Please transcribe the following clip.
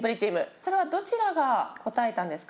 それはどちらが答えたんですか？